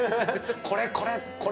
これこれ！